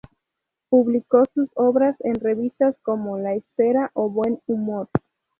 Publicó sus obras en revistas como "La Esfera" o "Buen Humor".